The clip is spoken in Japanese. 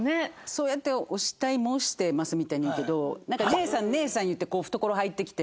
そうやって「お慕い申してます」みたいに言うけどなんか「姉さん姉さん」言ってこう懐入ってきて。